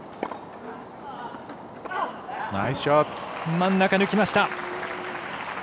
真ん中抜きました。